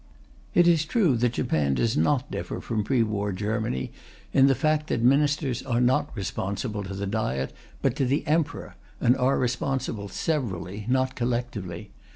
It is true that Japan does not differ from pre war Germany in the fact that Ministers are not responsible to the Diet, but to the Emperor, and are responsible severally, not collectively.